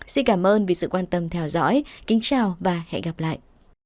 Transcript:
xin cảm ơn vì sự quan tâm theo dõi kính chào và hẹn gặp lại